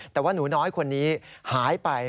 แต่ว่าหนูน้อยคนนี้หายไป